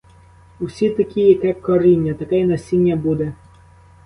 Усі такі: яке коріння, таке й насіння буде.